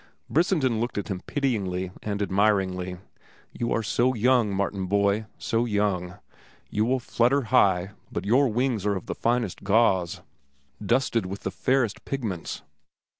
Brissenden looked at him pityingly and admiringly. "You are so young, Martin boy, so young. You will flutter high, but your wings are of the finest gauze, dusted with the fairest pigments.